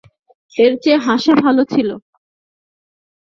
এর চেয়ে হাসা ভালো ছিল।